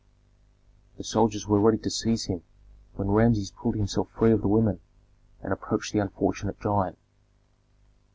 The soldiers were ready to seize him when Rameses pulled himself free of the women and approached the unfortunate giant.